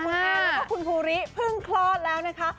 และคุณภูริเพิ่งคลอดแล้วนะคะ